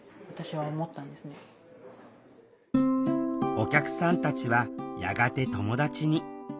お客さんたちはやがて友達に。